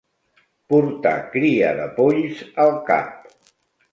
Portar cria de polls al cap.